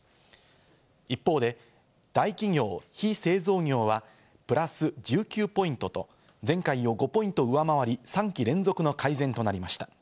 一方で大企業・非製造業はプラス１９ポイントと、前回を５ポイント上回り、３期連続の改善となりました。